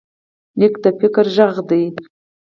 لیک د فکر غږ دی.